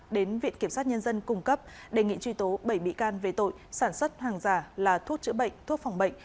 đến viện kiểm sát nhân dân cung cấp đề nghị truy tố bảy bị can về tội sản xuất hàng giả là thuốc chữa bệnh thuốc phòng bệnh